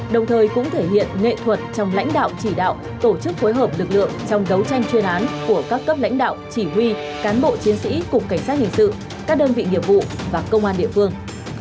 đồng thời cũng thể hiện nghệ thuật trong lãnh đạo chỉ đạo tổ chức phối hợp lực lượng trong đấu tranh chuyên án của các cấp lãnh đạo chỉ huy cán bộ chiến sĩ cục cảnh sát hình sự các đơn vị nghiệp vụ và công an địa phương